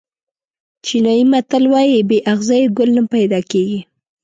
چینایي متل وایي بې اغزیو ګل نه پیدا کېږي.